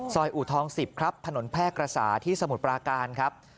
อูทอง๑๐ครับถนนแพร่กระสาที่สมุทรปราการครับ